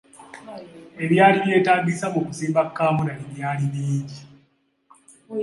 Ebyali byetaagisa mu kusimba kaamulali byali bingi.